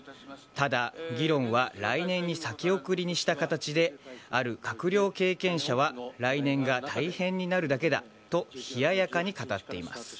ただ、議論は来年に先送りにした形である閣僚経験者は来年が大変になるだけだと冷ややかに語っています。